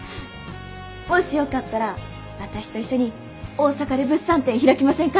もしよかったら私と一緒に大阪で物産展開きませんか？